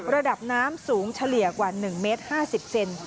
ระดับน้ำสูงเฉลี่ยกว่า๑เมตร๕๐เซน